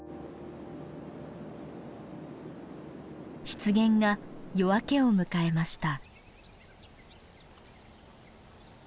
湿原が夜明けを迎えました。